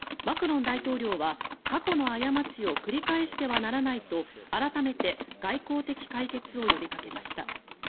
マクロン大統領は、過去の過ちを繰り返してはならないと改めて外交的解決を呼びかけました。